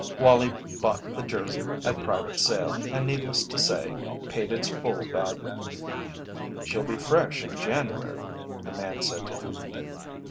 Wallie bought the Jersey at private sale, and needless to say, paid its full value. "She'll be fresh in January," the man said to him.